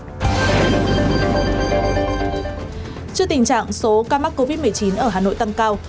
trước tình trạng số ca mắc covid một mươi chín ở hà nội tăng cao